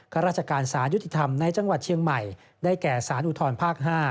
ข้าราชการสารยุติธรรมในจังหวัดเชียงใหม่ได้แก่สารอุทธรภาค๕